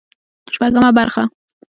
شپږمه برخه